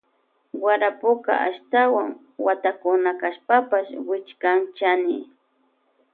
Warapuka ashtawan watakuna kashpapash wichikan chani.